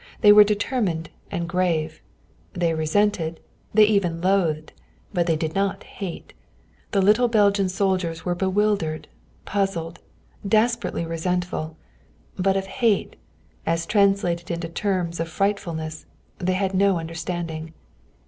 They were determined and grave; they resented, they even loathed. But they did not hate. The little Belgian soldiers were bewildered, puzzled, desperately resentful. But of hate, as translated into terms of frightfulness, they had no understanding.